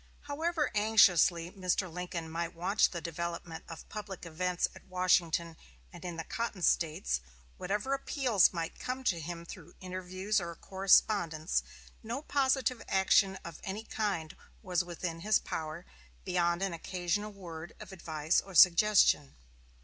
However anxiously Mr. Lincoln might watch the development of public events at Washington and in the cotton States; whatever appeals might come to him through interviews or correspondence, no positive action of any kind was within his power, beyond an occasional word of advice or suggestion.